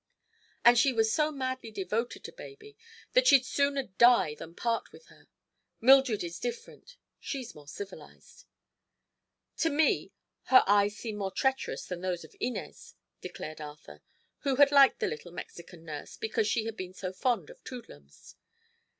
And she was so madly devoted to baby that she'd sooner die than part with her. Mildred is different; she's more civilized." "To me, her eyes seem more treacherous than those of Inez," declared Arthur, who had liked the little Mexican nurse because she had been so fond of Toodlums.